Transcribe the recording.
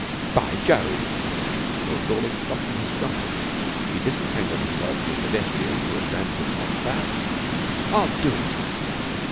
'By Jove!' Lord Dawlish stopped in his stride. He disentangled himself from a pedestrian who had rammed him on the back. 'I'll do it!'